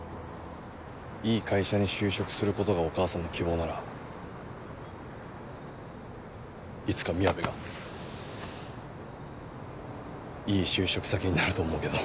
いい会社に就職する事がお母さんの希望ならいつかみやべがいい就職先になると思うけど。